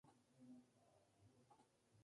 Este sitio mezcla la naturaleza, con la ciencia.